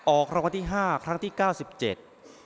ออกคำวัติห้าครั้งที่เก้าสิบเจ็ด